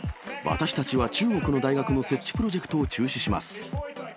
私たちは中国の大学の設置プロジェクトを中止します。